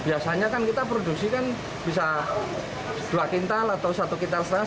hanya kan kita produksi kan bisa dua quintal atau satu quintal setengah